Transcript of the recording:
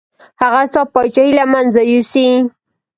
هغه ستا پاچاهي له منځه یوسي.